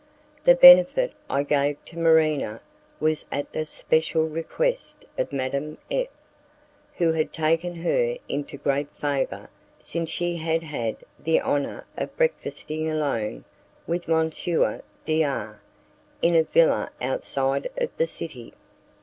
The benefit I gave to Marina was at the special request of Madame F , who had taken her into great favour since she had had the honour of breakfasting alone with M. D R in a villa outside of the city.